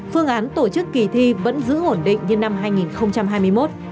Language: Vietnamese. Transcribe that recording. phương án tổ chức kỳ thi vẫn giữ ổn định như năm hai nghìn hai mươi một